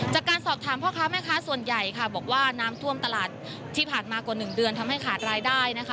จากการสอบถามพ่อค้าแม่ค้าส่วนใหญ่ค่ะบอกว่าน้ำท่วมตลาดที่ผ่านมากว่า๑เดือนทำให้ขาดรายได้นะคะ